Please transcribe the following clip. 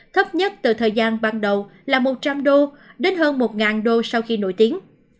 thấp nhất từ thời gian ban đầu là một trăm linh đô đến hơn một đô sau khi nổi tiếng